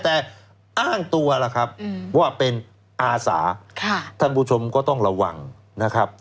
แต่อ้างตัวล่ะครับว่าเป็นอาสาท่านผู้ชมก็ต้องระวังนะครับ